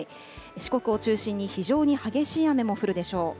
四国を中心に非常に激しい雨も降るでしょう。